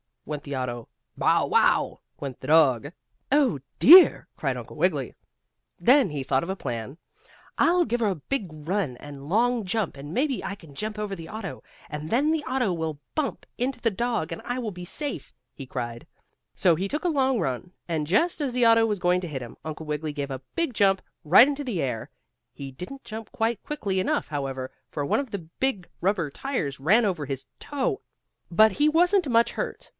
went the auto. "Bow wow!" went the dog. "Oh, dear!" cried Uncle Wiggily. Then he thought of a plan. "I'll give a big run and a long jump and maybe I can jump over the auto, and then the auto will bump into the dog, and I will be safe!" he cried. So he took a long run, and just as the auto was going to hit him, Uncle Wiggily gave a big jump, right up into the air. He didn't jump quite quickly enough, however, for one of the big rubber tires ran over his toe, but he wasn't much hurt.